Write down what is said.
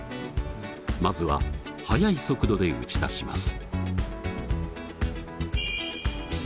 まずは速い速度で打ち出します。